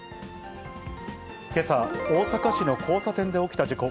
けさ、大阪市の交差点で起きた事故。